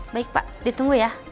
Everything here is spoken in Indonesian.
baik pak ditunggu ya